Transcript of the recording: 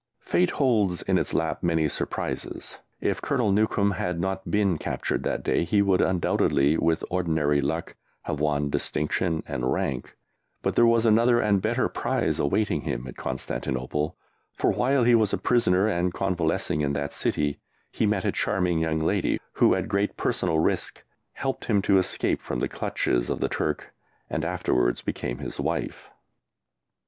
Fate holds in its lap many surprises. If Colonel Newcombe had not been captured that day he would undoubtedly, with ordinary luck, have won distinction and rank, but there was another and better prize awaiting him at Constantinople, for, while he was a prisoner and convalescing in that city, he met a charming young lady who, at great personal risk, helped him to escape from the clutches of the Turk, and afterwards became his wife.